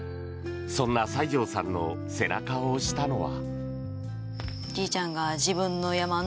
そんな西條さんの背中を押したのは。